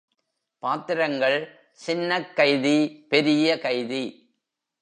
பாத்திரங்கள் சின்னக் கைதி, பெரிய கைதி.